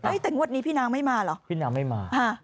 แต่งวดนี้พี่นางไม่มาเหรอพี่นางไม่มา